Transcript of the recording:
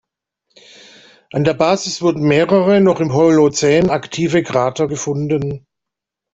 An der Basis wurden mehrere noch im Holozän aktive Krater gefunden.